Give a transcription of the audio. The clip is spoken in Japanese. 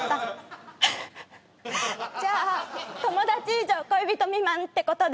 じゃあ友達以上恋人未満ってことで。